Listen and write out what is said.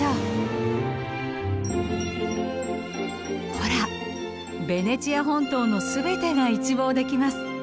ほらベネチア本島の全てが一望できます。